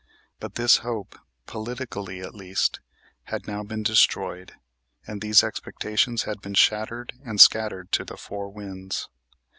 But this hope, politically at least, had now been destroyed, and these expectations had been shattered and scattered to the four winds.